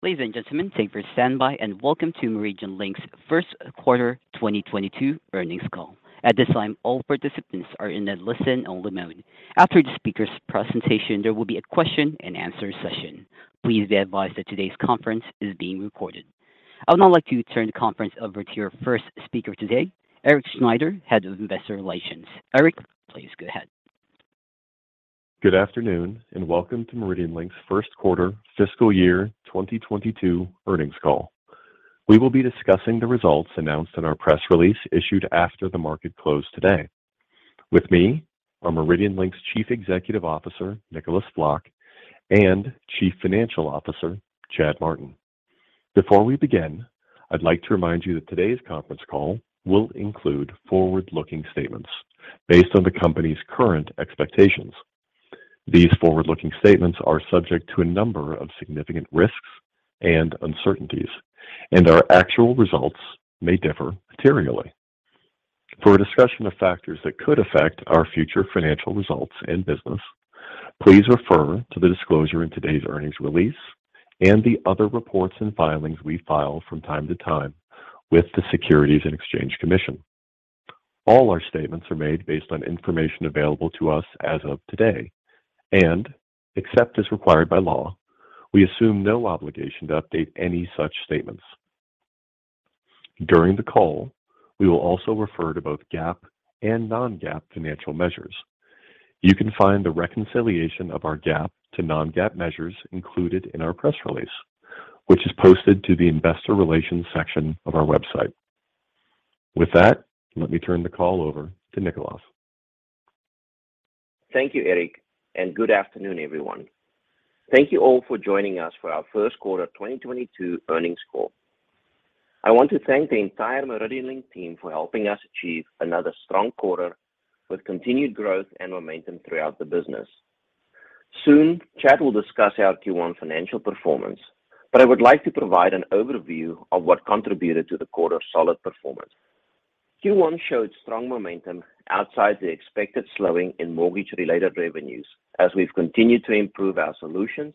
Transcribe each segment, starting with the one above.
Ladies and gentlemen, thank you for standing by, and welcome to MeridianLink's first quarter 2022 earnings call. At this time, all participants are in a listen-only mode. After the speaker's presentation, there will be a question-and-answer session. Please be advised that today's conference is being recorded. I would now like to turn the conference over to your first speaker today, Erik Schneider, Head of Investor Relations. Eric, please go ahead. Good afternoon and welcome to MeridianLink's first quarter fiscal year 2022 earnings call. We will be discussing the results announced in our press release issued after the market closed today. With me are MeridianLink's Chief Executive Officer, Nicolaas Vlok, and Chief Financial Officer, Chad Martin. Before we begin, I'd like to remind you that today's conference call will include forward-looking statements based on the company's current expectations. These forward-looking statements are subject to a number of significant risks and uncertainties, and our actual results may differ materially. For a discussion of factors that could affect our future financial results and business, please refer to the disclosure in today's earnings release and the other reports and filings we file from time to time with the Securities and Exchange Commission. All our statements are made based on information available to us as of today, and except as required by law, we assume no obligation to update any such statements. During the call, we will also refer to both GAAP and non-GAAP financial measures. You can find the reconciliation of our GAAP to non-GAAP measures included in our press release, which is posted to the investor relations section of our website. With that, let me turn the call over to Nicolaas. Thank you, Erik, and good afternoon, everyone. Thank you all for joining us for our first quarter 2022 earnings call. I want to thank the entire MeridianLink team for helping us achieve another strong quarter with continued growth and momentum throughout the business. Soon, Chad will discuss our Q1 financial performance, but I would like to provide an overview of what contributed to the quarter's solid performance. Q1 showed strong momentum outside the expected slowing in mortgage-related revenues as we've continued to improve our solutions,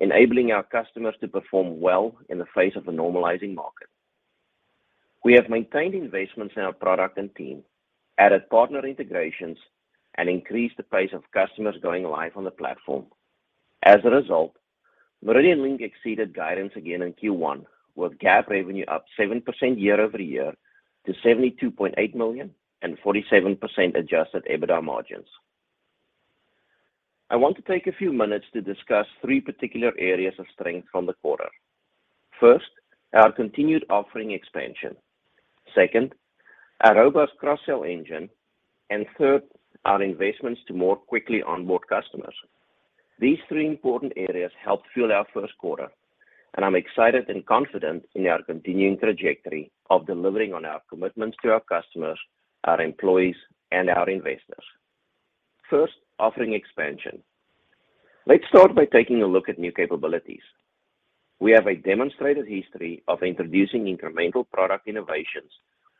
enabling our customers to perform well in the face of a normalizing market. We have maintained investments in our product and team, added partner integrations, and increased the pace of customers going live on the platform. As a result, MeridianLink exceeded guidance again in Q1, with GAAP revenue up 7% year-over-year to $72.8 million and 47% adjusted EBITDA margins. I want to take a few minutes to discuss three particular areas of strength from the quarter. First, our continued offering expansion. Second, our robust cross-sell engine. Third, our investments to more quickly onboard customers. These three important areas helped fuel our first quarter, and I'm excited and confident in our continuing trajectory of delivering on our commitments to our customers, our employees, and our investors. First, offering expansion. Let's start by taking a look at new capabilities. We have a demonstrated history of introducing incremental product innovations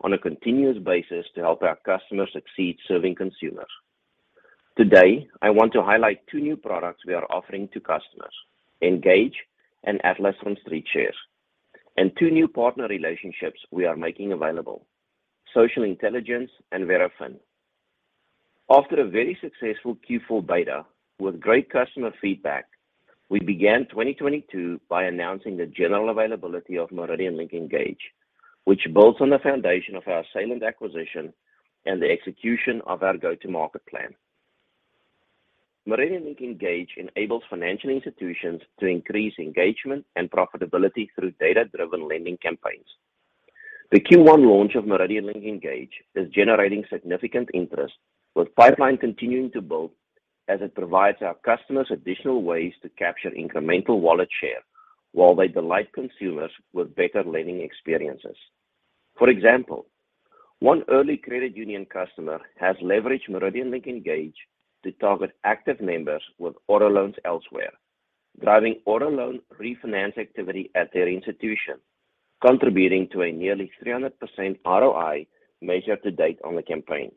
on a continuous basis to help our customers succeed serving consumers. Today, I want to highlight two new products we are offering to customers, Engage and Atlas from StreetShares, and two new partner relationships we are making available, Social Intelligence and Verafin. After a very successful Q4 beta with great customer feedback, we began 2022 by announcing the general availability of MeridianLink Engage, which builds on the foundation of our Salient acquisition and the execution of our go-to-market plan. MeridianLink Engage enables financial institutions to increase engagement and profitability through data-driven lending campaigns. The Q1 launch of MeridianLink Engage is generating significant interest, with pipeline continuing to build as it provides our customers additional ways to capture incremental wallet share while they delight consumers with better lending experiences. For example, one early credit union customer has leveraged MeridianLink Engage to target active members with auto loans elsewhere, driving auto loan refinance activity at their institution, contributing to a nearly 300% ROI measured to date on the campaign.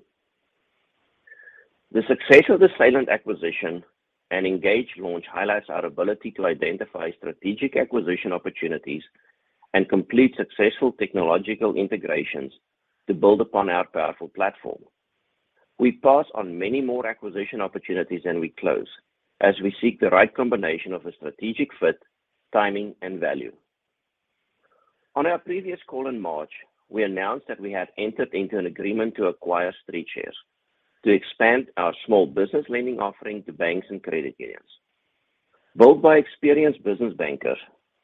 The success of the Salient acquisition and Engage launch highlights our ability to identify strategic acquisition opportunities and complete successful technological integrations to build upon our powerful platform. We pass on many more acquisition opportunities than we close as we seek the right combination of a strategic fit, timing, and value. On our previous call in March, we announced that we had entered into an agreement to acquire StreetShares to expand our small business lending offering to banks and credit unions. Built by experienced business bankers,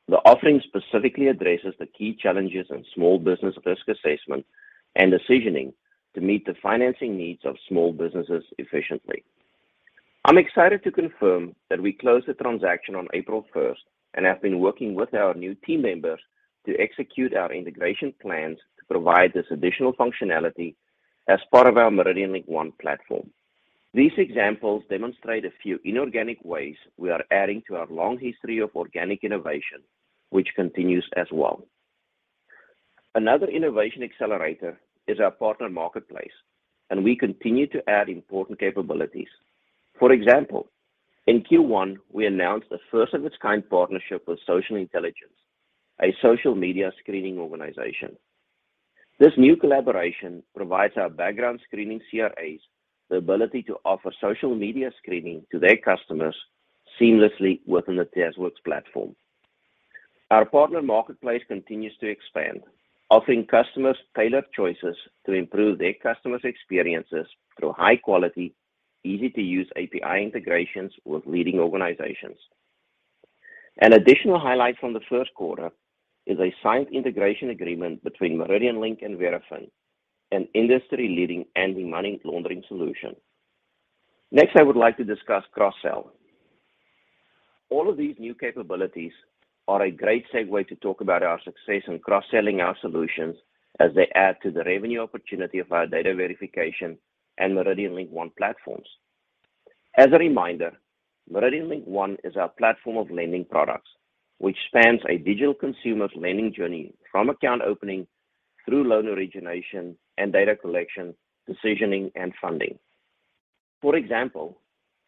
the offering specifically addresses the key challenges in small business risk assessment and decisioning to meet the financing needs of small businesses efficiently. I'm excited to confirm that we closed the transaction on April first and have been working with our new team members to execute our integration plans to provide this additional functionality as part of our MeridianLink One platform. These examples demonstrate a few inorganic ways we are adding to our long history of organic innovation, which continues as well. Another innovation accelerator is our partner marketplace, and we continue to add important capabilities. For example, in Q1, we announced the first of its kind partnership with Social Intelligence, a social media screening organization. This new collaboration provides our background screening CRAs the ability to offer social media screening to their customers seamlessly within the TazWorks platform. Our partner marketplace continues to expand, offering customers tailored choices to improve their customers' experiences through high quality, easy-to-use API integrations with leading organizations. An additional highlight from the first quarter is a signed integration agreement between MeridianLink and Verafin, an industry-leading anti-money laundering solution. Next, I would like to discuss cross-sell. All of these new capabilities are a great segue to talk about our success in cross-selling our solutions as they add to the revenue opportunity of our data verification and MeridianLink One platforms. As a reminder, MeridianLink One is our platform of lending products which spans a digital consumer's lending journey from account opening through loan origination and data collection, decisioning, and funding. For example,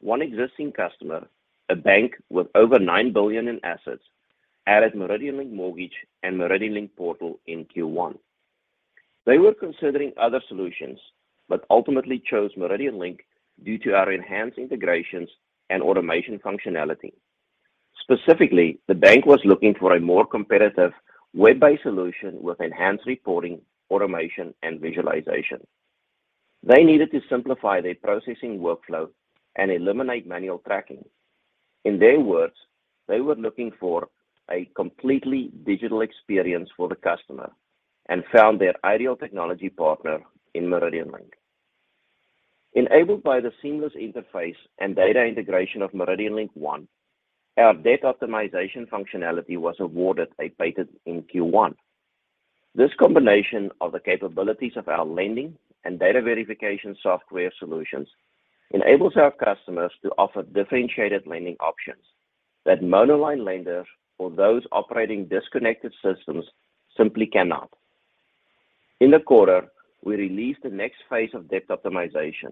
one existing customer, a bank with over $9 billion in assets, added MeridianLink Mortgage and MeridianLink Portal in Q1. They were considering other solutions, but ultimately chose MeridianLink due to our enhanced integrations and automation functionality. Specifically, the bank was looking for a more competitive web-based solution with enhanced reporting, automation, and visualization. They needed to simplify their processing workflow and eliminate manual tracking. In their words, they were looking for a completely digital experience for the customer and found their ideal technology partner in MeridianLink. Enabled by the seamless interface and data integration of MeridianLink One, our debt optimization functionality was awarded a patent in Q1. This combination of the capabilities of our lending and data verification software solutions enables our customers to offer differentiated lending options that monoline lenders or those operating disconnected systems simply cannot. In the quarter, we released the next phase of debt optimization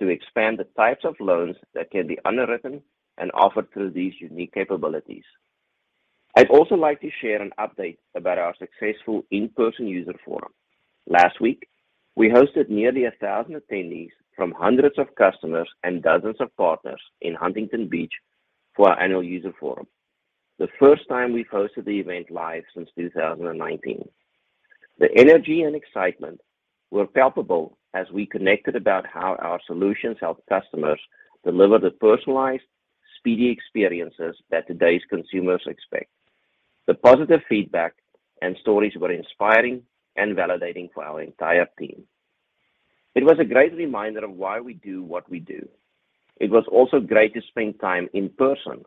to expand the types of loans that can be underwritten and offered through these unique capabilities. I'd also like to share an update about our successful in-person user forum. Last week, we hosted nearly 1,000 attendees from hundreds of customers and dozens of partners in Huntington Beach for our annual user forum, the first time we've hosted the event live since 2019. The energy and excitement were palpable as we connected about how our solutions help customers deliver the personalized, speedy experiences that today's consumers expect. The positive feedback and stories were inspiring and validating for our entire team. It was a great reminder of why we do what we do. It was also great to spend time in person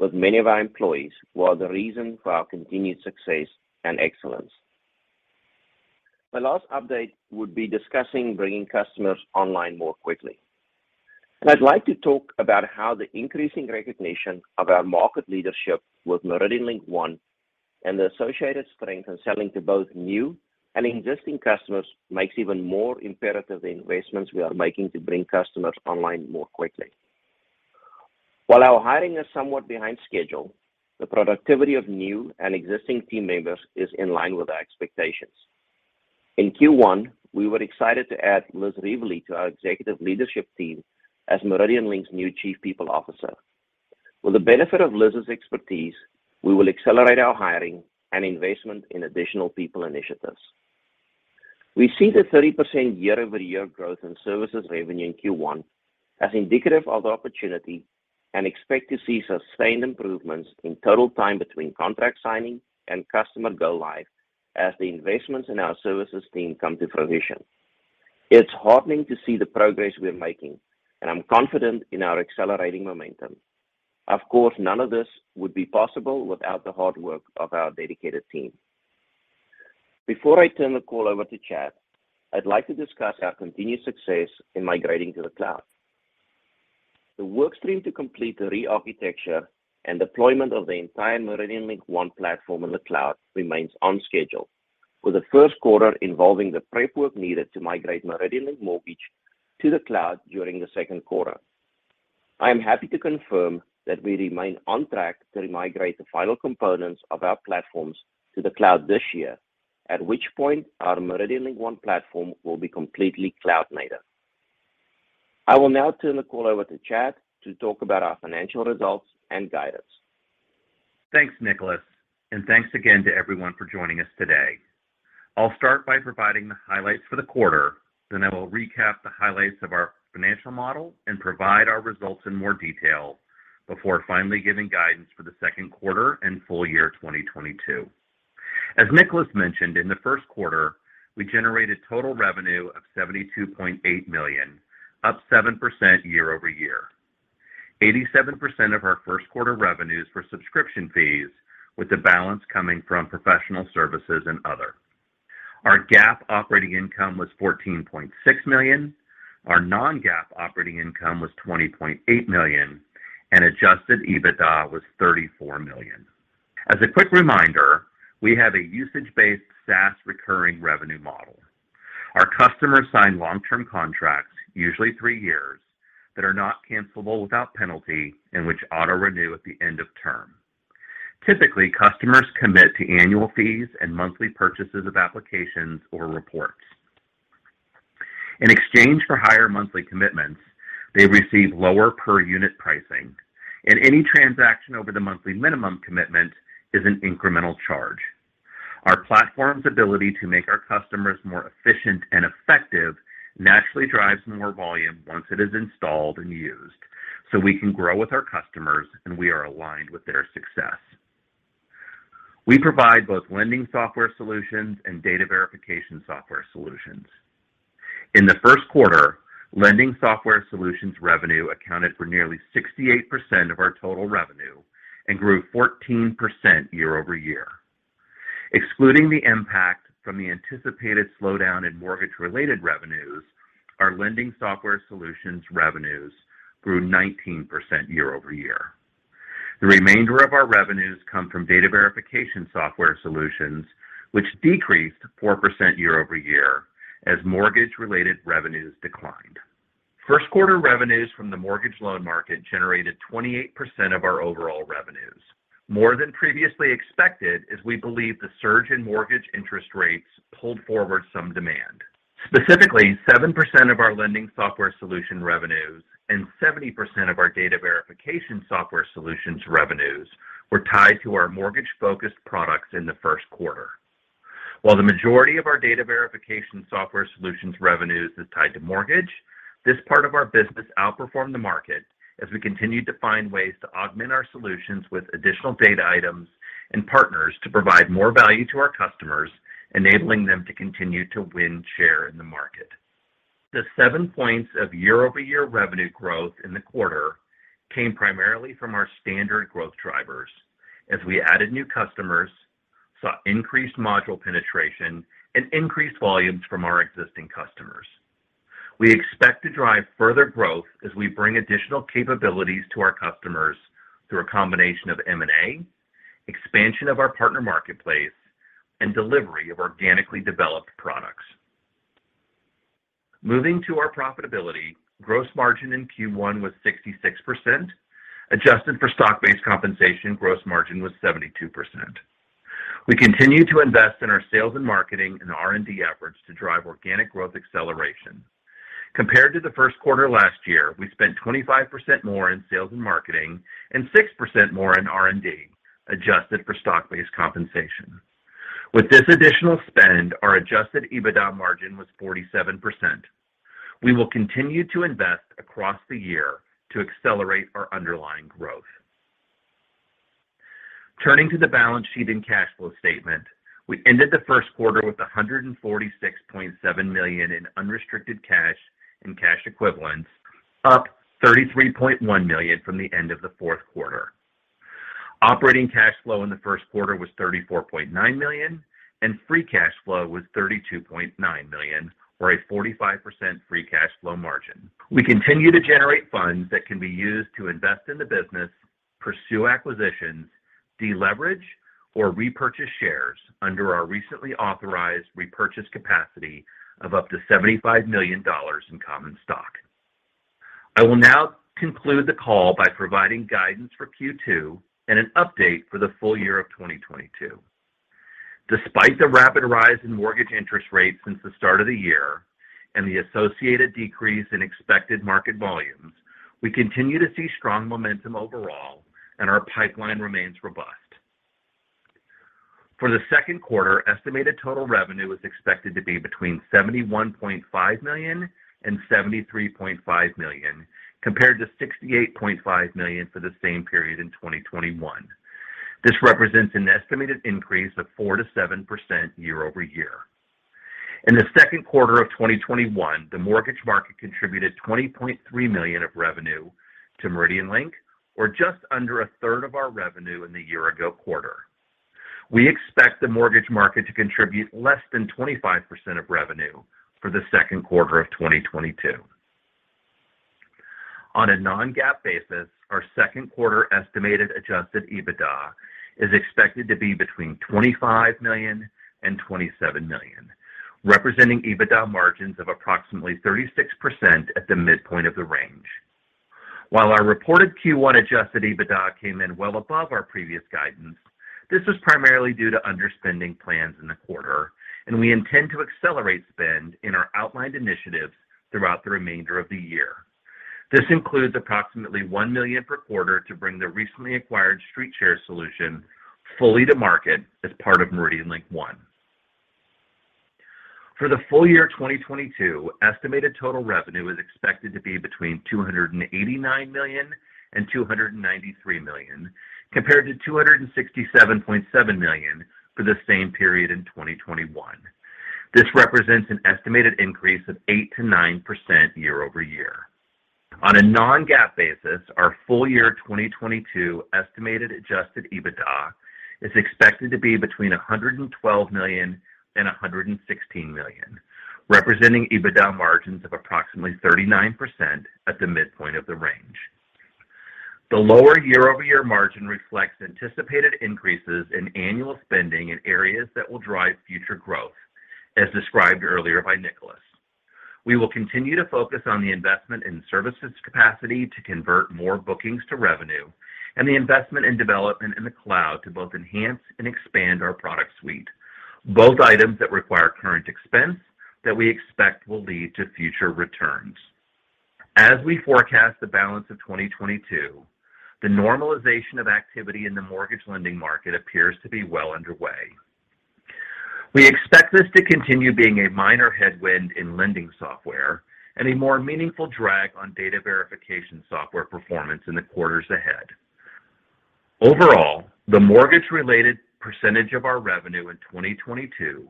with many of our employees who are the reason for our continued success and excellence. My last update would be discussing bringing customers online more quickly. I'd like to talk about how the increasing recognition of our market leadership with MeridianLink One and the associated strength in selling to both new and existing customers makes even more imperative the investments we are making to bring customers online more quickly. While our hiring is somewhat behind schedule, the productivity of new and existing team members is in line with our expectations. In Q1, we were excited to add Liz Rieveley to our executive leadership team as MeridianLink's new Chief People Officer. With the benefit of Liz's expertise, we will accelerate our hiring and investment in additional people initiatives. We see the 30% year-over-year growth in services revenue in Q1 as indicative of the opportunity and expect to see sustained improvements in total time between contract signing and customer go live as the investments in our services team come to fruition. It's heartening to see the progress we're making, and I'm confident in our accelerating momentum. Of course, none of this would be possible without the hard work of our dedicated team. Before I turn the call over to Chad, I'd like to discuss our continued success in migrating to the cloud. The workstream to complete the rearchitecture and deployment of the entire MeridianLink One platform in the cloud remains on schedule, with the first quarter involving the prep work needed to migrate MeridianLink Mortgage to the cloud during the second quarter. I am happy to confirm that we remain on track to migrate the final components of our platforms to the cloud this year, at which point our MeridianLink One platform will be completely cloud-native. I will now turn the call over to Chad to talk about our financial results and guidance. Thanks, Nicholas. Thanks again to everyone for joining us today. I'll start by providing the highlights for the quarter. I will recap the highlights of our financial model and provide our results in more detail before finally giving guidance for the second quarter and full year 2022. As Nicholas mentioned, in the first quarter, we generated total revenue of $72.8 million, up 7% year-over-year. 87% of our first quarter revenues were subscription fees, with the balance coming from professional services and other. Our GAAP operating income was $14.6 million. Our non-GAAP operating income was $20.8 million. Adjusted EBITDA was $34 million. As a quick reminder, we have a usage-based SaaS recurring revenue model. Our customers sign long-term contracts, usually 3 years, that are not cancelable without penalty and which auto-renew at the end of term. Typically, customers commit to annual fees and monthly purchases of applications or reports. In exchange for higher monthly commitments, they receive lower per unit pricing, and any transaction over the monthly minimum commitment is an incremental charge. Our platform's ability to make our customers more efficient and effective naturally drives more volume once it is installed and used, so we can grow with our customers, and we are aligned with their success. We provide both lending software solutions and data verification software solutions. In the first quarter, lending software solutions revenue accounted for nearly 68% of our total revenue and grew 14% year-over-year. Excluding the impact from the anticipated slowdown in mortgage-related revenues, our lending software solutions revenues grew 19% year-over-year. The remainder of our revenues come from data verification software solutions, which decreased 4% year-over-year as mortgage-related revenues declined. First quarter revenues from the mortgage loan market generated 28% of our overall revenues, more than previously expected as we believe the surge in mortgage interest rates pulled forward some demand. Specifically, 7% of our lending software solution revenues and 70% of our data verification software solutions revenues were tied to our mortgage-focused products in the first quarter. While the majority of our data verification software solutions revenues is tied to mortgage, this part of our business outperformed the market as we continued to find ways to augment our solutions with additional data items and partners to provide more value to our customers, enabling them to continue to win share in the market. The 7 points of year-over-year revenue growth in the quarter came primarily from our standard growth drivers as we added new customers, saw increased module penetration, and increased volumes from our existing customers. We expect to drive further growth as we bring additional capabilities to our customers through a combination of M&A, expansion of our partner marketplace, and delivery of organically developed products. Moving to our profitability, gross margin in Q1 was 66%. Adjusted for stock-based compensation, gross margin was 72%. We continue to invest in our sales and marketing and R&D efforts to drive organic growth acceleration. Compared to the first quarter last year, we spent 25% more in sales and marketing and 6% more in R&D, adjusted for stock-based compensation. With this additional spend, our adjusted EBITDA margin was 47%. We will continue to invest across the year to accelerate our underlying growth. Turning to the balance sheet and cash flow statement. We ended the first quarter with $146.7 million in unrestricted cash and cash equivalents, up $33.1 million from the end of the fourth quarter. Operating cash flow in the first quarter was $34.9 million, and free cash flow was $32.9 million, or a 45% free cash flow margin. We continue to generate funds that can be used to invest in the business, pursue acquisitions, deleverage, or repurchase shares under our recently authorized repurchase capacity of up to $75 million in common stock. I will now conclude the call by providing guidance for Q2 and an update for the full year of 2022. Despite the rapid rise in mortgage interest rates since the start of the year and the associated decrease in expected market volumes, we continue to see strong momentum overall, and our pipeline remains robust. For the second quarter, estimated total revenue is expected to be between $71.5 million and $73.5 million, compared to $68.5 million for the same period in 2021. This represents an estimated increase of 4%-7% year-over-year. In the second quarter of 2021, the mortgage market contributed $20.3 million of revenue to MeridianLink or just under a third of our revenue in the year-ago quarter. We expect the mortgage market to contribute less than 25% of revenue for the second quarter of 2022. On a non-GAAP basis, our second quarter estimated adjusted EBITDA is expected to be between $25 million and $27 million, representing EBITDA margins of approximately 36% at the midpoint of the range. While our reported Q1 adjusted EBITDA came in well above our previous guidance, this was primarily due to underspending plans in the quarter, and we intend to accelerate spend in our outlined initiatives throughout the remainder of the year. This includes approximately $1 million per quarter to bring the recently acquired StreetShares solution fully to market as part of MeridianLink One. For the full year 2022, estimated total revenue is expected to be between $289 million and $293 million, compared to $267.7 million for the same period in 2021. This represents an estimated increase of 8%-9% year-over-year. On a non-GAAP basis, our full year 2022 estimated adjusted EBITDA is expected to be between $112 million and $116 million. Representing EBITDA margins of approximately 39% at the midpoint of the range. The lower year-over-year margin reflects anticipated increases in annual spending in areas that will drive future growth, as described earlier by Nicolaas. We will continue to focus on the investment in services capacity to convert more bookings to revenue and the investment in development in the cloud to both enhance and expand our product suite. Both items that require current expense that we expect will lead to future returns. As we forecast the balance of 2022, the normalization of activity in the mortgage lending market appears to be well underway. We expect this to continue being a minor headwind in lending software and a more meaningful drag on data verification software performance in the quarters ahead. Overall, the mortgage-related percentage of our revenue in 2022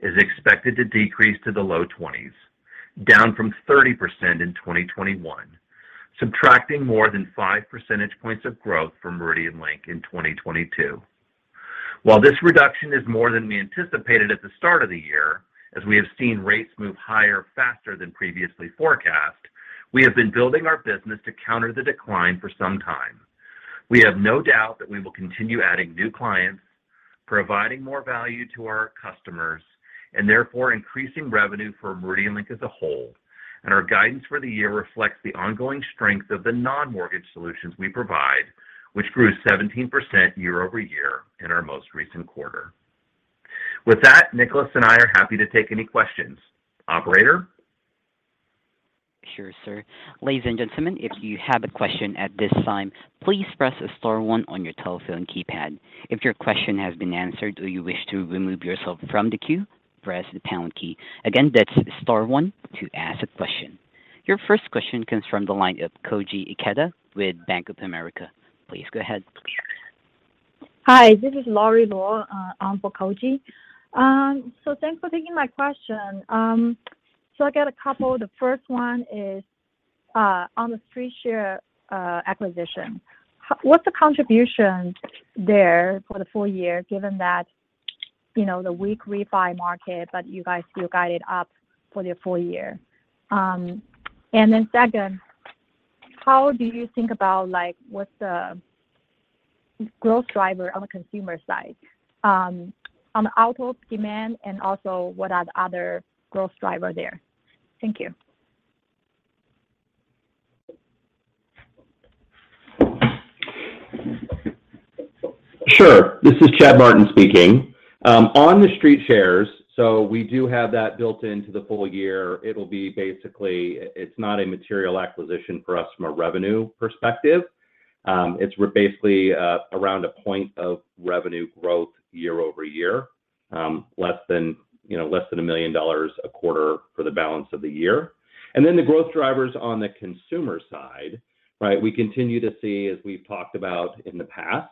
is expected to decrease to the low 20s, down from 30% in 2021, subtracting more than 5 percentage points of growth from MeridianLink in 2022. While this reduction is more than we anticipated at the start of the year, as we have seen rates move higher faster than previously forecast, we have been building our business to counter the decline for some time. We have no doubt that we will continue adding new clients, providing more value to our customers, and therefore increasing revenue for MeridianLink as a whole. Our guidance for the year reflects the ongoing strength of the non-mortgage solutions we provide, which grew 17% year-over-year in our most recent quarter. With that, Nicolaas and I are happy to take any questions. Operator? Sure, sir. Ladies and gentlemen, if you have a question at this time, please press star one on your telephone keypad. If your question has been answered or you wish to remove yourself from the queue, press the pound key. Again, that's star one to ask a question. Your first question comes from the line of Koji Ikeda with Bank of America. Please go ahead. Hi, this is Lory Luo, on for Koji. Thanks for taking my question. I got a couple. The first one is on the StreetShares acquisition. What's the contribution there for the full year, given that, you know, the weak refi market, but you guys still guided up for the full year? Second, how do you think about, like, what's the growth driver on the consumer side, on the auto POS demand, and also what are the other growth driver there? Thank you. Sure. This is Chad Martin speaking. On the StreetShares, we do have that built into the full year. It's not a material acquisition for us from a revenue perspective. It's basically around a point of revenue growth year-over-year, less than, you know, less than $1 million a quarter for the balance of the year. Then the growth drivers on the consumer side, right? We continue to see, as we've talked about in the past,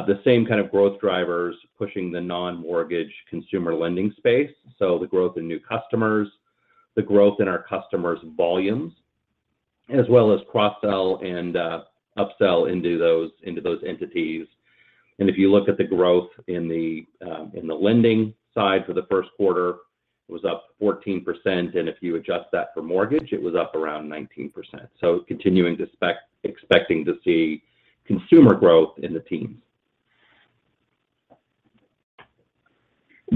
the same kind of growth drivers pushing the non-mortgage consumer lending space. The growth in new customers, the growth in our customers' volumes, as well as cross-sell and upsell into those entities. If you look at the growth in the lending side for the first quarter, it was up 14%, and if you adjust that for mortgage, it was up around 19%. Continuing to expect to see consumer growth in the teens.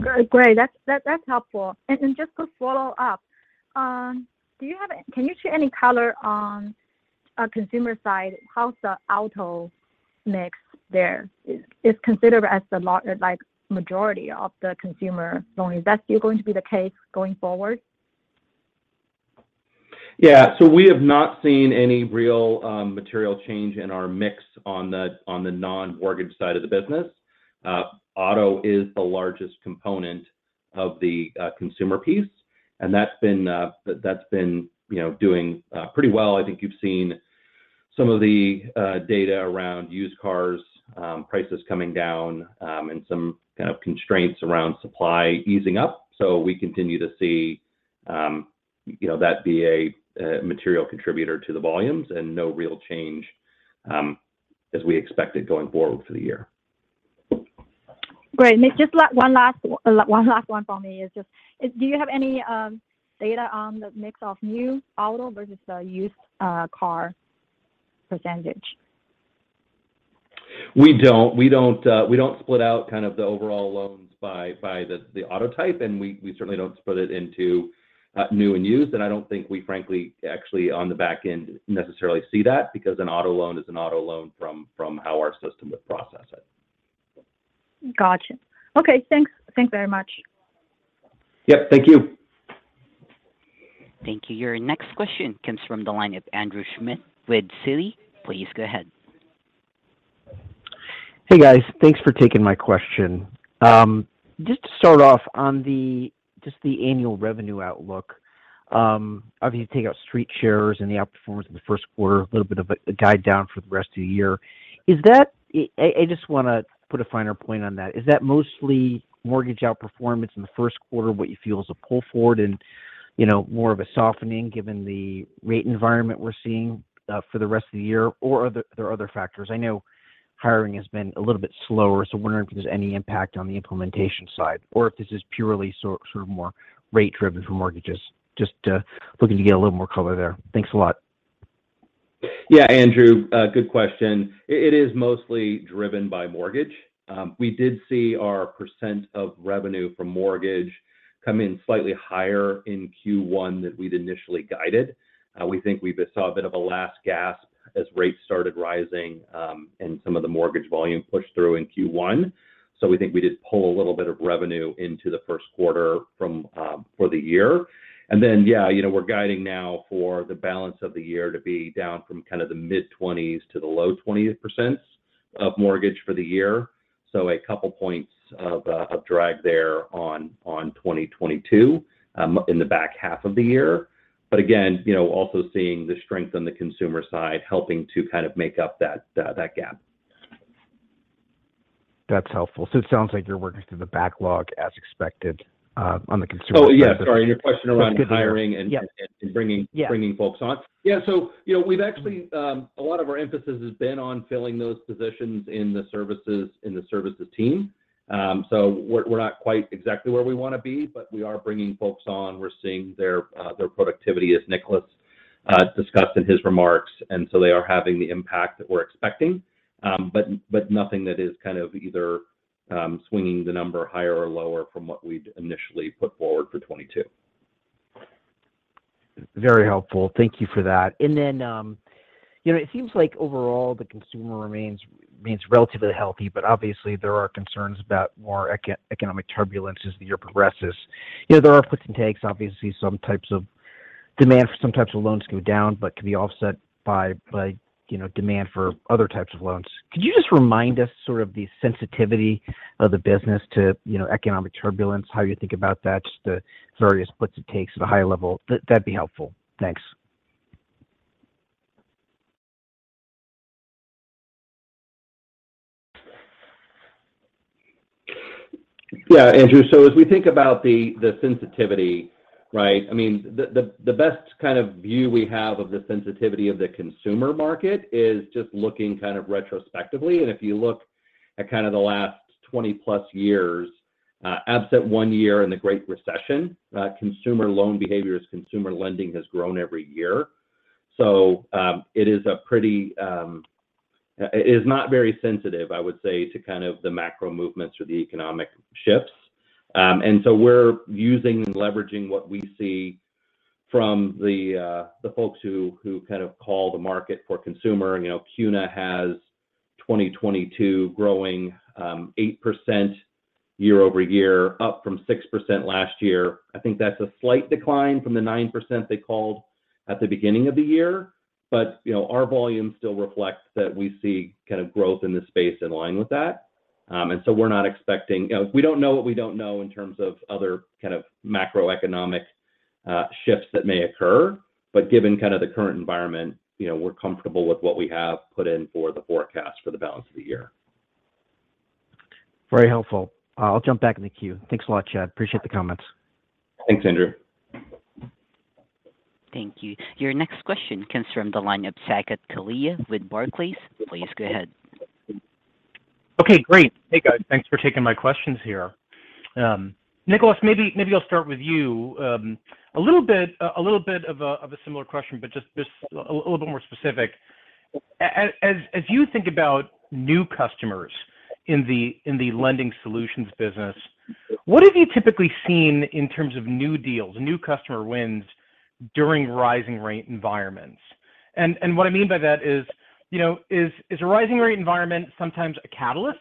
Great. That's helpful. Just to follow up, can you share any color on the consumer side, how's the auto mix there? Is considered as like the majority of the consumer loan? Is that still going to be the case going forward? Yeah. We have not seen any real, material change in our mix on the non-mortgage side of the business. Auto is the largest component of the consumer piece, and that's been, you know, doing pretty well. I think you've seen some of the data around used car prices coming down and some kind of constraints around supply easing up. We continue to see, you know, that be a material contributor to the volumes and no real change as we expected going forward for the year. Great. Just one last one for me is just, do you have any data on the mix of new auto versus the used car percentage? We don't split out kind of the overall loans by the auto type, and we certainly don't split it into new and used. I don't think we frankly actually on the back end necessarily see that because an auto loan is an auto loan from how our system would process it. Got you. Okay, thanks. Thanks very much. Yep, thank you. Thank you. Your next question comes from the line of Andrew Schmidt with Citi. Please go ahead. Hey, guys. Thanks for taking my question. Just to start off on the annual revenue outlook, obviously you take out StreetShares and the outperformance in the first quarter, a little bit of a guide down for the rest of the year. Is that? I just wanna put a finer point on that. Is that mostly mortgage outperformance in the first quarter what you feel is a pull forward and, you know, more of a softening given the rate environment we're seeing for the rest of the year? Or are there other factors? I know hiring has been a little bit slower, so wondering if there's any impact on the implementation side or if this is purely sort of more rate driven for mortgages. Just looking to get a little more color there. Thanks a lot. Yeah, Andrew, a good question. It is mostly driven by mortgage. We did see our percent of revenue from mortgage come in slightly higher in Q1 than we'd initially guided. We think we just saw a bit of a last gasp as rates started rising, and some of the mortgage volume pushed through in Q1. We think we did pull a little bit of revenue into the first quarter from for the year. Yeah, you know, we're guiding now for the balance of the year to be down from kind of the mid-20s to the low 20% of mortgage for the year. A couple points of drag there on 2022 in the back half of the year. Again, you know, also seeing the strength on the consumer side helping to kind of make up that gap. That's helpful. It sounds like you're working through the backlog as expected, on the consumer- Oh, yeah. Sorry. Your question around hiring. That's good to hear. Yes. and bringing Yeah bringing folks on. Yeah. You know, we've actually a lot of our emphasis has been on filling those positions in the services team. We're not quite exactly where we want to be, but we are bringing folks on. We're seeing their productivity, as Nicolaas discussed in his remarks. They are having the impact that we're expecting. Nothing that is kind of either swinging the number higher or lower from what we'd initially put forward for 2022. Very helpful. Thank you for that. Then, you know, it seems like overall the consumer remains relatively healthy, but obviously there are concerns about more economic turbulence as the year progresses. You know, there are puts and takes. Obviously, some types of demand for some types of loans go down but can be offset by, you know, demand for other types of loans. Could you just remind us sort of the sensitivity of the business to, you know, economic turbulence, how you think about that, just the various puts and takes at a high level? That'd be helpful. Thanks. Yeah, Andrew. As we think about the sensitivity, right? I mean, the best kind of view we have of the sensitivity of the consumer market is just looking kind of retrospectively. If you look at kind of the last 20+ years, absent one year in the Great Recession, consumer loan behaviors, consumer lending has grown every year. It is not very sensitive, I would say, to kind of the macro movements or the economic shifts. We're using and leveraging what we see from the folks who kind of call the market for consumer. You know, CUNA has 2022 growing 8% year-over-year, up from 6% last year. I think that's a slight decline from the 9% they called at the beginning of the year. You know, our volume still reflects that we see kind of growth in this space in line with that. We're not expecting. You know, we don't know what we don't know in terms of other kind of macroeconomic shifts that may occur. Given kind of the current environment, you know, we're comfortable with what we have put in for the forecast for the balance of the year. Very helpful. I'll jump back in the queue. Thanks a lot, Chad. Appreciate the comments. Thanks, Andrew. Thank you. Your next question comes from the line of Saket Kalia with Barclays. Please go ahead. Okay, great. Hey, guys. Thanks for taking my questions here. Nicolaas, maybe I'll start with you. A little bit of a similar question, but just a little bit more specific. As you think about new customers in the lending solutions business, what have you typically seen in terms of new deals, new customer wins during rising rate environments? And what I mean by that is, you know, is a rising rate environment sometimes a catalyst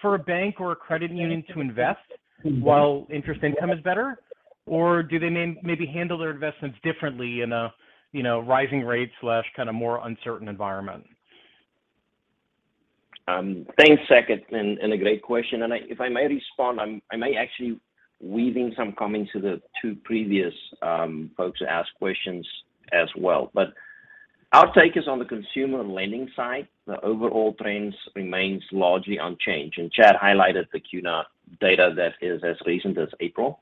for a bank or a credit union to invest while interest income is better? Or do they maybe handle their investments differently in a you know rising rate kind of more uncertain environment? Thanks, Saket. A great question. If I may respond, I may actually weave in some comments to the 2 previous folks who asked questions as well. Our take is on the consumer lending side, the overall trends remains largely unchanged. Chad highlighted the CUNA data that is as recent as April.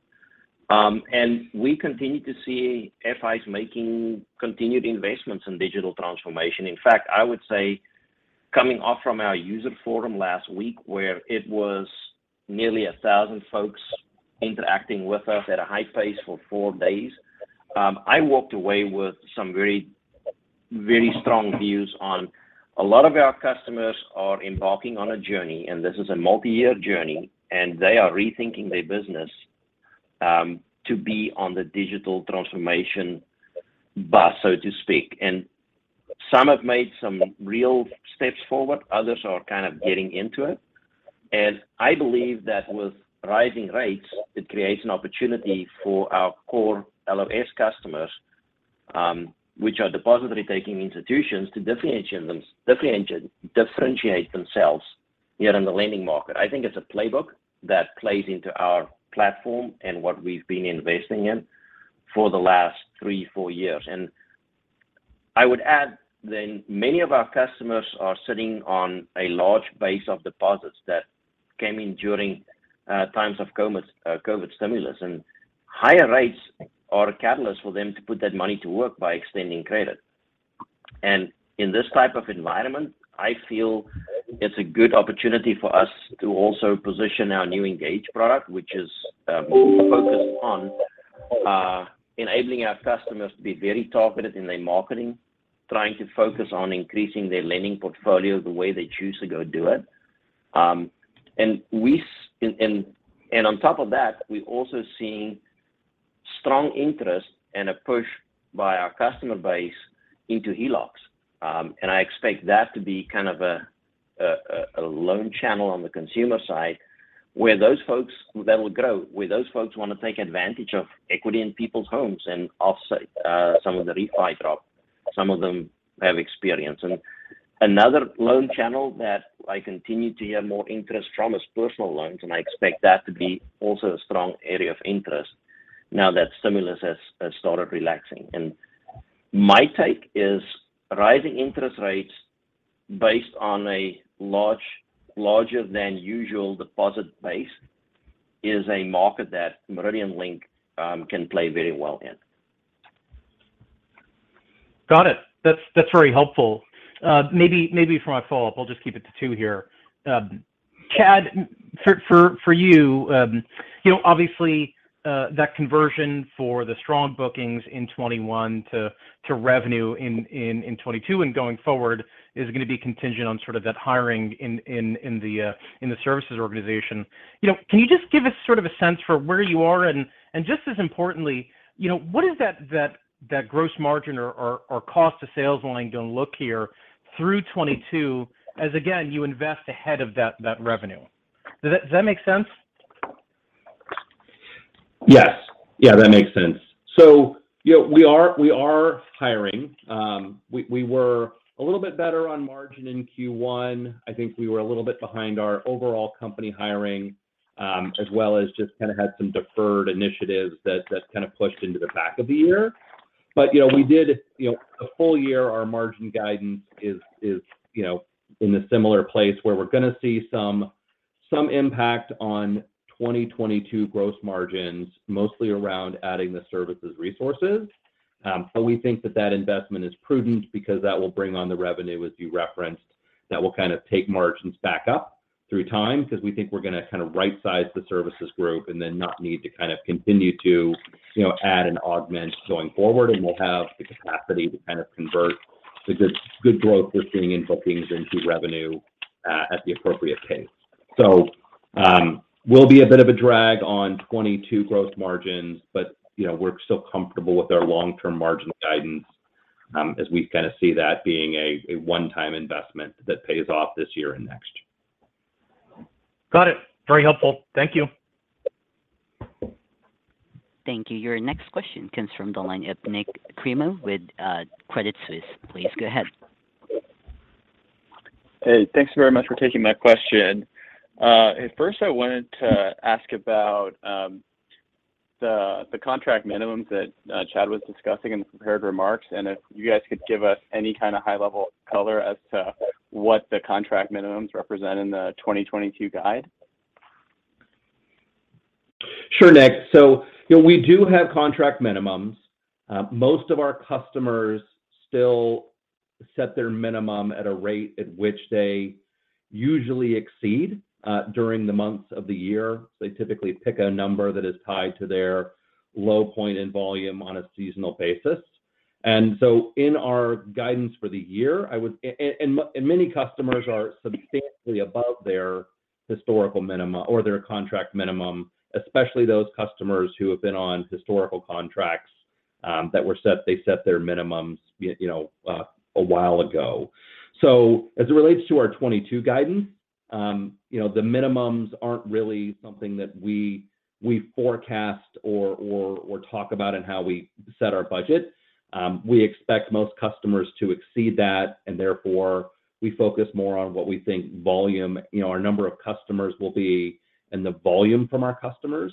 We continue to see FIs making continued investments in digital transformation. In fact, I would say coming off from our user forum last week where it was nearly 1,000 folks interacting with us at a high pace for 4 days. I walked away with some very, very strong views on a lot of our customers are embarking on a journey, and this is a multi-year journey, and they are rethinking their business to be on the digital transformation bus, so to speak. Some have made some real steps forward, others are kind of getting into it. I believe that with rising rates, it creates an opportunity for our core LFS customers, which are deposit-taking institutions, to differentiate themselves here in the lending market. I think it's a playbook that plays into our platform and what we've been investing in for the last three, four years. I would add that many of our customers are sitting on a large base of deposits that came in during times of COVID stimulus, and higher rates are a catalyst for them to put that money to work by extending credit. In this type of environment, I feel it's a good opportunity for us to also position our new Engage product, which is focused on Enabling our customers to be very targeted in their marketing, trying to focus on increasing their lending portfolio the way they choose to go do it. On top of that, we're also seeing strong interest and a push by our customer base into HELOCs. I expect that to be kind of a loan channel on the consumer side where those folks will grow, where those folks wanna take advantage of equity in people's homes and offset some of the refi drop some of them have experienced. Another loan channel that I continue to hear more interest from is personal loans, and I expect that to be also a strong area of interest now that stimulus has started relaxing. My take is rising interest rates based on a larger than usual deposit base is a market that MeridianLink can play very well in. Got it. That's very helpful. Maybe for my follow-up, I'll just keep it to two here. Chad, for you know, obviously, that conversion for the strong bookings in 2021 to revenue in 2022 and going forward is gonna be contingent on sort of that hiring in the services organization. You know, can you just give us sort of a sense for where you are? Just as importantly, you know, what is that gross margin or cost of sales line gonna look like here through 2022 as, again, you invest ahead of that revenue? Does that make sense? Yes. Yeah, that makes sense. You know, we are hiring. We were a little bit better on margin in Q1. I think we were a little bit behind our overall company hiring, as well as just kinda had some deferred initiatives that kind of pushed into the back of the year. You know, the full year our margin guidance is in a similar place where we're gonna see some impact on 2022 gross margins, mostly around adding the services resources. We think that investment is prudent because that will bring on the revenue, as you referenced, that will kind of take margins back up through time because we think we're gonna kind of right-size the services group and then not need to kind of continue to, you know, add and augment going forward, and we'll have the capacity to kind of convert the good growth we're seeing in bookings into revenue at the appropriate pace. Will be a bit of a drag on 2022 growth margins, but you know, we're still comfortable with our long-term margin guidance, as we kind of see that being a one-time investment that pays off this year and next year. Got it. Very helpful. Thank you. Thank you. Your next question comes from the line of Nik Cremo with Credit Suisse. Please go ahead. Hey. Thanks very much for taking my question. First I wanted to ask about the contract minimums that Chad was discussing in the prepared remarks, and if you guys could give us any kind of high-level color as to what the contract minimums represent in the 2022 guide. Sure, Nik. You know, we do have contract minimums. Most of our customers still set their minimum at a rate at which they usually exceed during the months of the year. They typically pick a number that is tied to their low point in volume on a seasonal basis. In our guidance for the year, many customers are substantially above their historical minima or their contract minimum, especially those customers who have been on historical contracts, that were set, they set their minimums, you know, a while ago. As it relates to our 2022 guidance, you know, the minimums aren't really something that we forecast or talk about in how we set our budget. We expect most customers to exceed that, and therefore we focus more on what we think volume, you know, our number of customers will be, and the volume from our customers.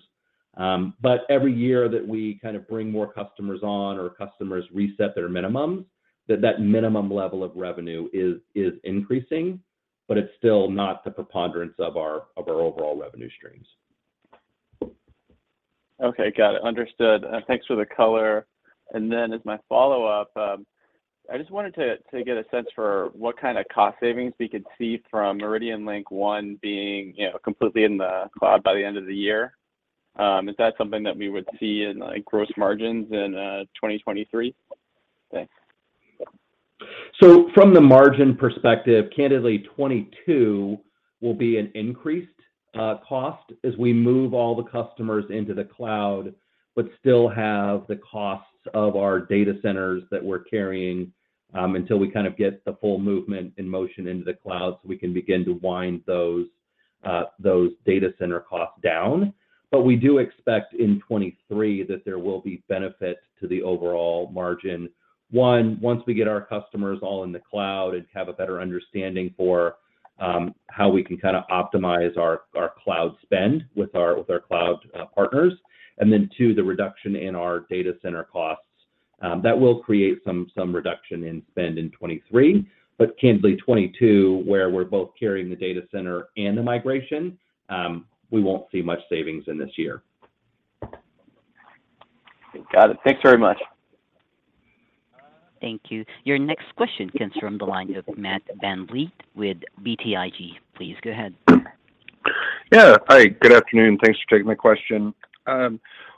Every year that we kind of bring more customers on or customers reset their minimums, that minimum level of revenue is increasing, but it's still not the preponderance of our overall revenue streams. Okay. Got it. Understood. Thanks for the color. As my follow-up, I just wanted to get a sense for what kind of cost savings we could see from MeridianLink One being, you know, completely in the cloud by the end of the year. Is that something that we would see in, like, gross margins in 2023? Thanks. From the margin perspective, candidly, 2022 will be an increased cost as we move all the customers into the cloud, but still have the costs of our data centers that we're carrying until we kind of get the full movement in motion into the cloud so we can begin to wind those data center costs down. We do expect in 2023 that there will be benefit to the overall margin, one, once we get our customers all in the cloud and have a better understanding for how we can kinda optimize our cloud spend with our cloud partners. Then two, the reduction in our data center costs. That will create some reduction in spend in 2023. candidly, 2022, where we're both carrying the data center and the migration, we won't see much savings in this year. Got it. Thanks very much. Thank you. Your next question comes from the line of Matt VanVliet with BTIG. Please go ahead. Yeah. Hi, good afternoon. Thanks for taking my question.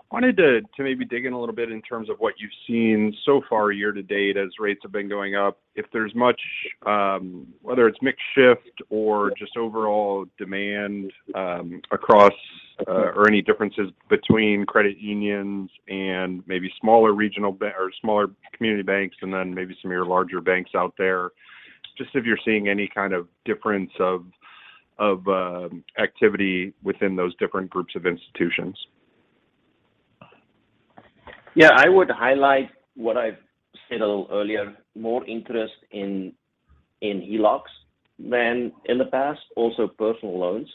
Wanted to maybe dig in a little bit in terms of what you've seen so far year to date as rates have been going up, if there's much, whether it's mix shift or just overall demand, across or any differences between credit unions and maybe smaller regional banks or smaller community banks and then maybe some of your larger banks out there. Just if you're seeing any kind of difference of activity within those different groups of institutions. Yeah. I would highlight what I've said a little earlier, more interest in HELOCs than in the past, also personal loans.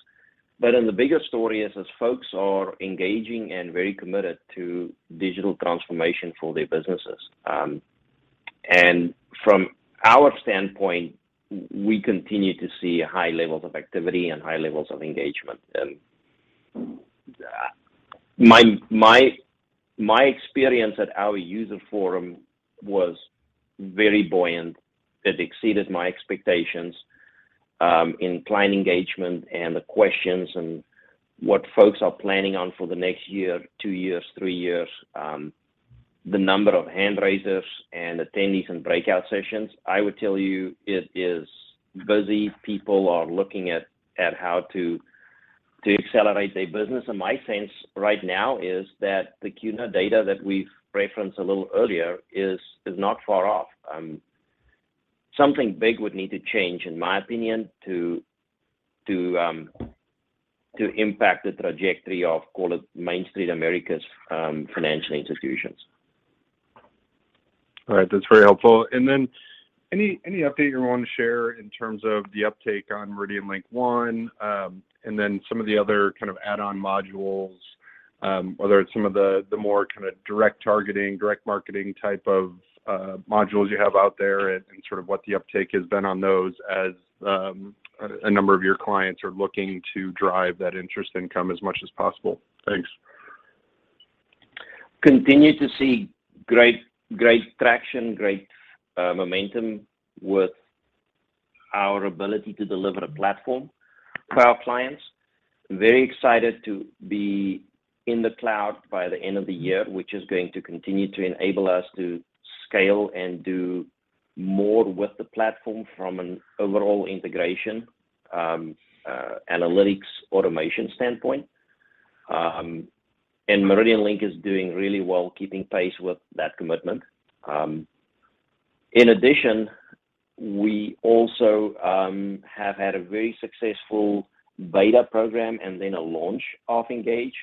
The bigger story is as folks are engaging and very committed to digital transformation for their businesses. From our standpoint, we continue to see high levels of activity and high levels of engagement. My experience at our user forum was very buoyant. It exceeded my expectations in client engagement and the questions and what folks are planning on for the next year, two years, three years. The number of hand raisers and attendees in breakout sessions, I would tell you it is busy. People are looking at how to accelerate their business. My sense right now is that the CUNA data that we've referenced a little earlier is not far off. Something big would need to change, in my opinion, to impact the trajectory of, call it, Main Street America's financial institutions. All right. That's very helpful. Any update you wanna share in terms of the uptake on MeridianLink One, and then some of the other kind of add-on modules, whether it's some of the more kinda direct targeting, direct marketing type of modules you have out there and sort of what the uptake has been on those as a number of your clients are looking to drive that interest income as much as possible. Thanks. Continue to see great traction, great momentum with our ability to deliver a platform for our clients. Very excited to be in the cloud by the end of the year, which is going to continue to enable us to scale and do more with the platform from an overall integration, analytics automation standpoint. MeridianLink is doing really well keeping pace with that commitment. In addition, we also have had a very successful beta program and then a launch of Engage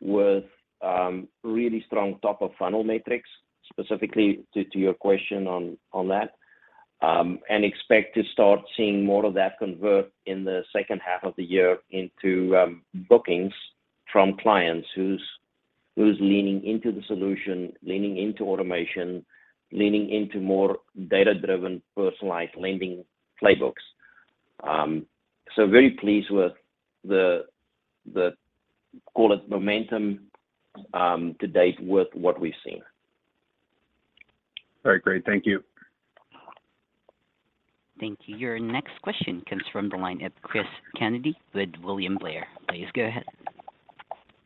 with really strong top of funnel metrics, specifically to your question on that. Expect to start seeing more of that convert in the second half of the year into bookings from clients who's leaning into the solution, leaning into automation, leaning into more data-driven, personalized lending playbooks. Very pleased with the call it momentum to date with what we've seen. All right. Great. Thank you. Thank you. Your next question comes from the line of Cristopher Kennedy with William Blair. Please go ahead.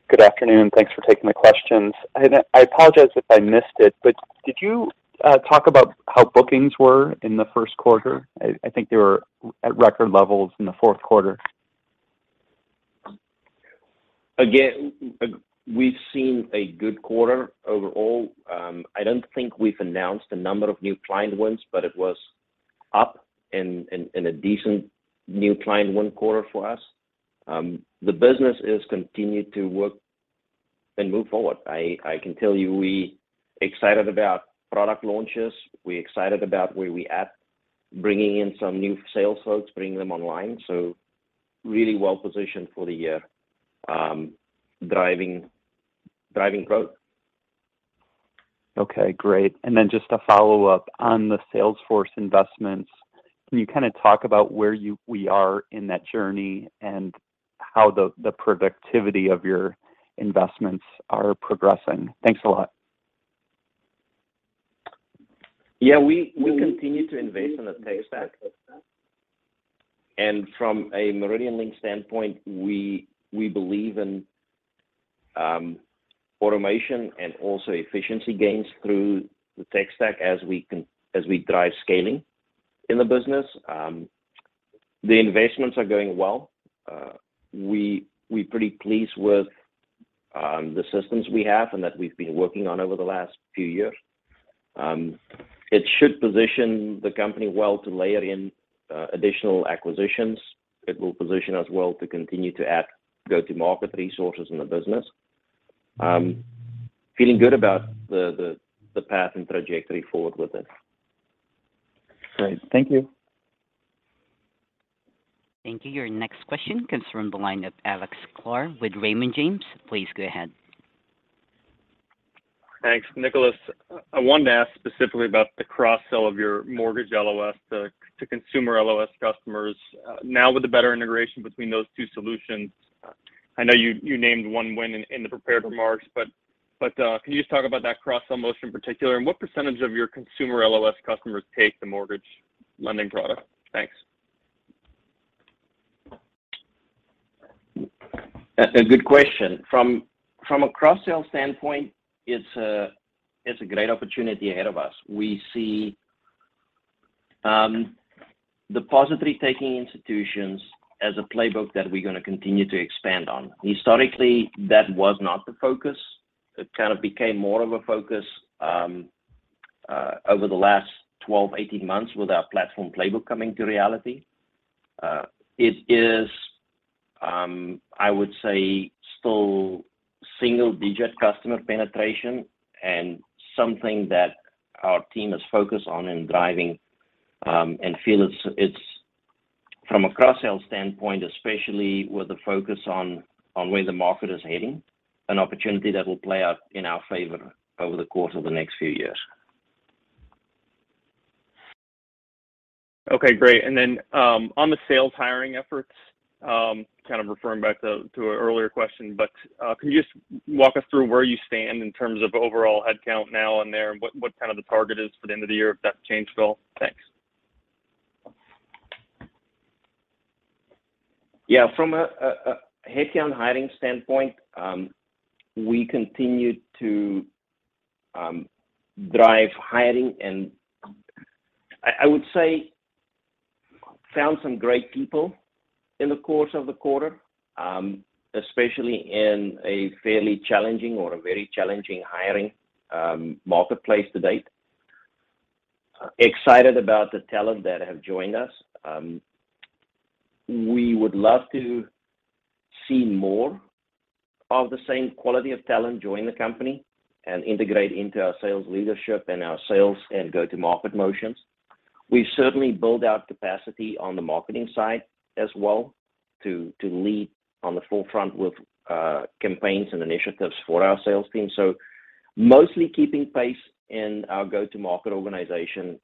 Good afternoon. Thanks for taking the questions. I apologize if I missed it, but did you talk about how bookings were in the first quarter? I think they were at record levels in the fourth quarter. Again, we've seen a good quarter overall. I don't think we've announced a number of new client wins, but it was up in a decent new client win quarter for us. The business has continued to work and move forward. I can tell you we excited about product launches. We excited about where we at, bringing in some new sales folks, bringing them online. Really well positioned for the year, driving growth. Okay. Great. Just a follow-up on the sales force investments. Can you kinda talk about where we are in that journey and how the productivity of your investments are progressing? Thanks a lot. Yeah. We continue to invest in the tech stack. From a MeridianLink standpoint, we believe in automation and also efficiency gains through the tech stack as we drive scaling in the business. The investments are going well. We're pretty pleased with the systems we have and that we've been working on over the last few years. It should position the company well to layer in additional acquisitions. It will position us well to continue to add go-to-market resources in the business. Feeling good about the path and trajectory forward with this. Great. Thank you. Thank you. Your next question comes from the line of Alex Sklar with Raymond James. Please go ahead. Thanks. Nicolaas, I wanted to ask specifically about the cross-sell of your mortgage LOS to consumer LOS customers. Now with the better integration between those two solutions. I know you named one win in the prepared remarks, but can you just talk about that cross-sell motion in particular, and what percentage of your consumer LOS customers take the mortgage lending product? Thanks. That's a good question. From a cross-sell standpoint, it's a great opportunity ahead of us. We see the positively taking institutions as a playbook that we're gonna continue to expand on. Historically, that was not the focus. It kind of became more of a focus over the last 12, 18 months with our platform playbook coming to reality. It is, I would say, still single digit customer penetration and something that our team is focused on and driving, and feel it's from a cross-sell standpoint, especially with the focus on where the market is heading, an opportunity that will play out in our favor over the course of the next few years. Okay, great. On the sales hiring efforts, kind of referring back to an earlier question, can you just walk us through where you stand in terms of overall head count now and there, and what kind of the target is for the end of the year, if that's changed at all? Thanks. Yeah. From a headcount hiring standpoint, we continue to drive hiring and I would say found some great people in the course of the quarter, especially in a fairly challenging or a very challenging hiring marketplace to date. Excited about the talent that have joined us. We would love to see more of the same quality of talent join the company and integrate into our sales leadership and our sales and go-to-market motions. We've certainly built out capacity on the marketing side as well to lead on the forefront with campaigns and initiatives for our sales team. Mostly keeping pace in our go-to-market organization.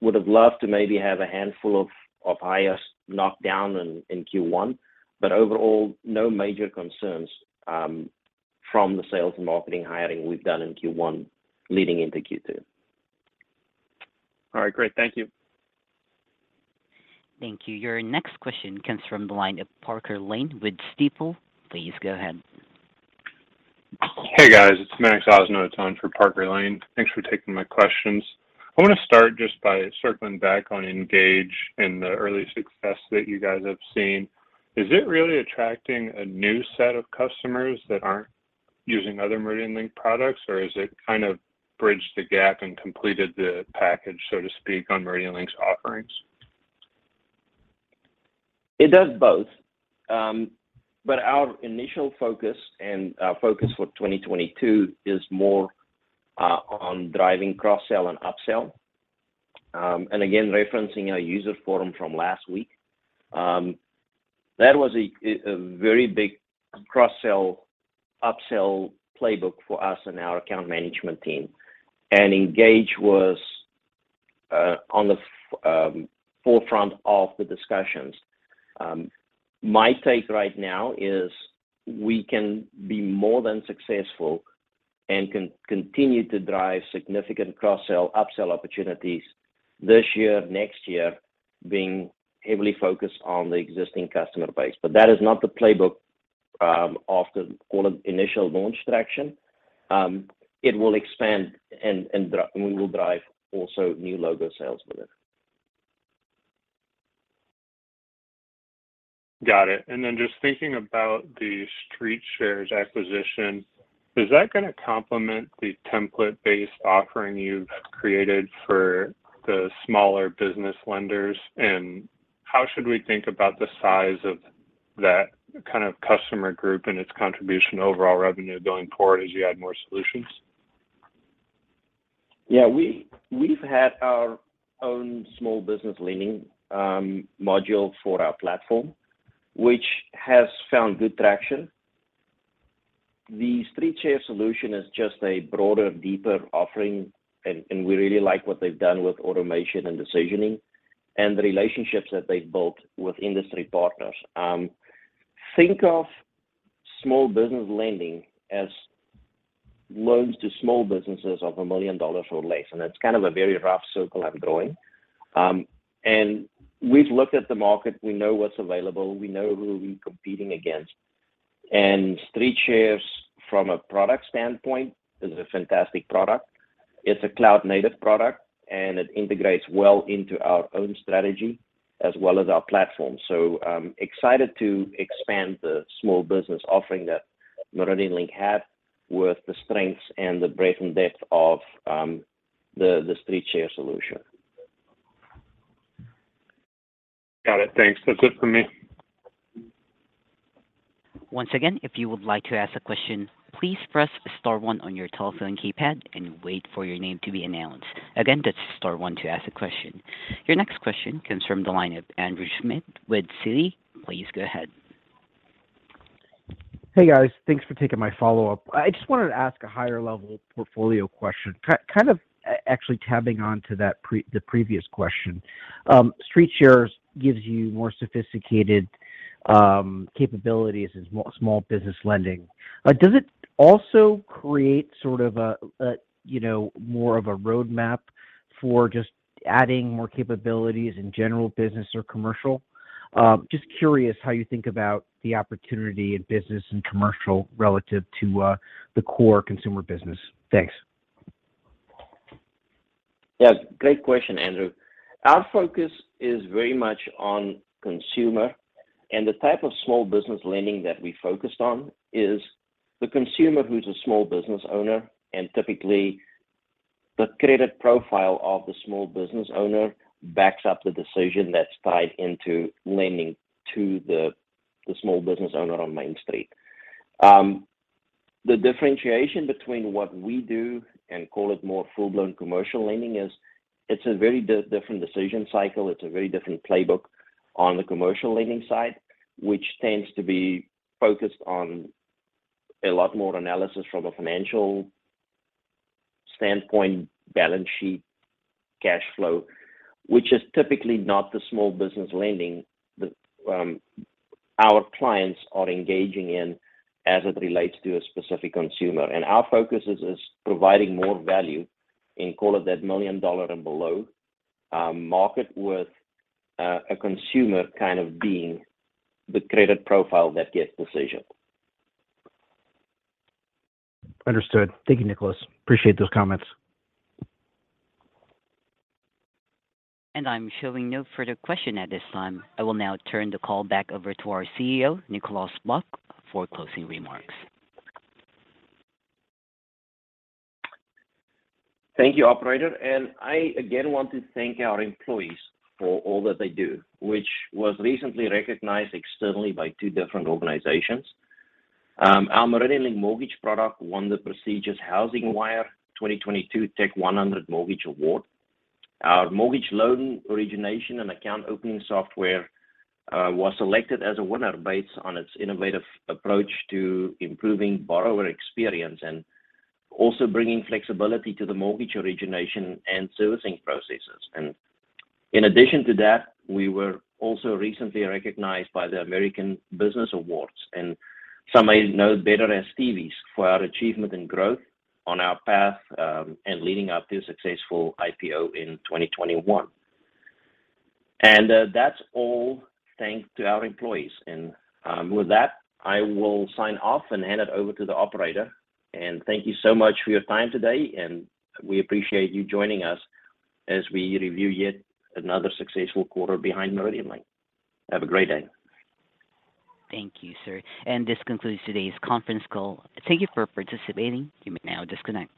Would have loved to maybe have a handful of hires knocked down in Q1, but overall, no major concerns from the sales and marketing hiring we've done in Q1 leading into Q2. All right, great. Thank you. Thank you. Your next question comes from the line of Parker Lane with Stifel. Please go ahead. Hey, guys. It's Max Osnowitz for Parker Lane. Thanks for taking my questions. I wanna start just by circling back on Engage and the early success that you guys have seen. Is it really attracting a new set of customers that aren't using other MeridianLink products, or has it kind of bridged the gap and completed the package, so to speak, on MeridianLink's offerings? It does both. Our initial focus and our focus for 2022 is more on driving cross-sell and up-sell. Again, referencing our user forum from last week, that was a very big cross-sell, up-sell playbook for us and our account management team. Engage was on the forefront of the discussions. My take right now is we can be more than successful and can continue to drive significant cross-sell, up-sell opportunities this year, next year, being heavily focused on the existing customer base. That is not the playbook after call it initial launch traction. It will expand and we will drive also new logo sales with it. Got it. Just thinking about the StreetShares acquisition, is that gonna complement the template-based offering you've created for the smaller business lenders, and how should we think about the size of that kind of customer group and its contribution to overall revenue going forward as you add more solutions? Yeah. We've had our own small business lending module for our platform, which has found good traction. The StreetShares solution is just a broader, deeper offering and we really like what they've done with automation and decisioning and the relationships that they've built with industry partners. Think of small business lending as loans to small businesses of a million dollars or less, and that's kind of a very rough circle I'm drawing. We've looked at the market. We know what's available. We know who we're competing against. StreetShares, from a product standpoint, is a fantastic product. It's a cloud native product, and it integrates well into our own strategy as well as our platform. Excited to expand the small business offering that MeridianLink had with the strengths and the breadth and depth of the StreetShares solution. Got it. Thanks. That's it for me. Once again, if you would like to ask a question, please press star one on your telephone keypad and wait for your name to be announced. Again, that's star one to ask a question. Your next question comes from the line of Andrew Schmidt with Citi. Please go ahead. Hey, guys. Thanks for taking my follow-up. I just wanted to ask a higher-level portfolio question. Actually, tagging onto the previous question. StreetShares gives you more sophisticated Capabilities is more small business lending. Does it also create sort of a, you know, more of a roadmap for just adding more capabilities in general business or commercial? Just curious how you think about the opportunity in business and commercial relative to the core consumer business. Thanks. Yes. Great question, Andrew. Our focus is very much on consumer, and the type of small business lending that we focused on is the consumer who's a small business owner, and typically the credit profile of the small business owner backs up the decision that's tied into lending to the small business owner on Main Street. The differentiation between what we do and call it more full-blown commercial lending is it's a very different decision cycle. It's a very different playbook on the commercial lending side, which tends to be focused on a lot more analysis from a financial standpoint, balance sheet, cash flow, which is typically not the small business lending that our clients are engaging in as it relates to a specific consumer. Our focus is providing more value in call it that million-dollar and below market with a consumer kind of being the credit profile that gets decision. Understood. Thank you, Nicolaas. Appreciate those comments. I'm showing no further question at this time. I will now turn the call back over to our CEO, Nicolaas Vlok, for closing remarks. Thank you, operator. I again want to thank our employees for all that they do, which was recently recognized externally by two different organizations. Our MeridianLink Mortgage product won the prestigious HousingWire 2022 Tech100 Mortgage Award. Our mortgage loan origination and account opening software was selected as a winner based on its innovative approach to improving borrower experience and also bringing flexibility to the mortgage origination and servicing processes. In addition to that, we were also recently recognized by the American Business Awards, and some may know it better as Stevies, for our achievement and growth on our path and leading up to a successful IPO in 2021. That's all thanks to our employees. With that, I will sign off and hand it over to the operator. Thank you so much for your time today, and we appreciate you joining us as we review yet another successful quarter behind MeridianLink. Have a great day. Thank you, sir. This concludes today's conference call. Thank you for participating. You may now disconnect.